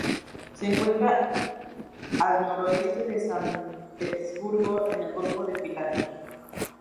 Se encuentra a al noroeste de San Petersburgo, en el Golfo de Finlandia.